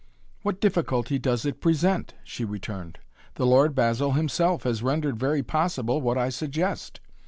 "What difficulty does it present?" she returned. "The Lord Basil himself has rendered very possible what I suggest.